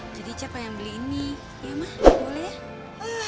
jadi ica pengen beli ini iya ma boleh ya